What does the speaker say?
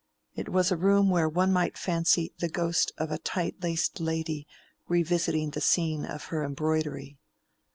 It was a room where one might fancy the ghost of a tight laced lady revisiting the scene of her embroidery.